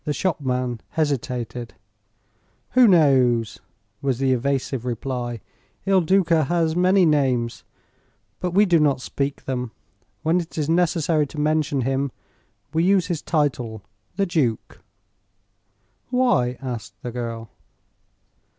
The shopman hesitated. "Who knows?" was the evasive reply. "Il Duca has many names, but we do not speak them. When it is necessary to mention him we use his title the duke." "Why?" asked the girl.